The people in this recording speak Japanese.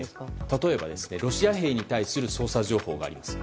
例えばロシア兵に対する捜査情報があります。